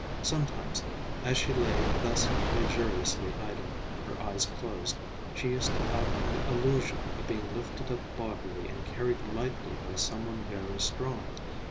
Sometimes, as she lay thus luxuriously idle, her eyes closed, she used to have an illusion of being lifted up bodily and carried lightly by some one very strong.